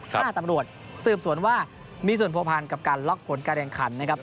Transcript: ถ้าตำรวจสืบสวนว่ามีส่วนโพพันภ์กับการล็อกผลการอะไรการฟุตบอล